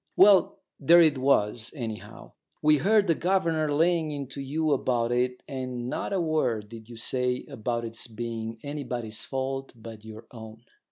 "Well, there it was, anyhow. We heard the governor laying into you about it, and not a word did you say about it's being anybody's fault but your own.